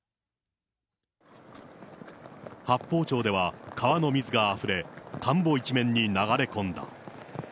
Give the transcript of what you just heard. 八峰町では川の水があふれ、田んぼ一面に流れ込んだ。